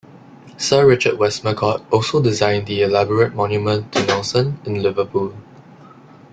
Sir Richard Westmacott also designed the elaborate monument to Nelson in Liverpool.